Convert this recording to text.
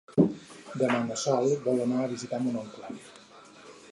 Demà na Sol vol anar a visitar mon oncle.